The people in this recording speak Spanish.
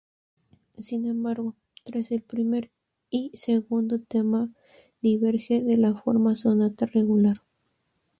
Sin embargo, tras el primer y segundo tema diverge de la forma sonata regular.